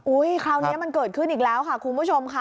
คราวนี้มันเกิดขึ้นอีกแล้วค่ะคุณผู้ชมค่ะ